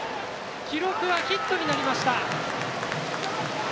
記録はヒットになりました。